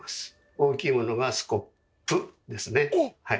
大きいものが「スコップ」ですねはい。